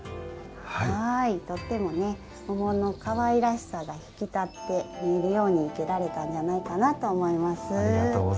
とっても桃のかわいらしさが引き立っているように生けられたんじゃないかなと思います。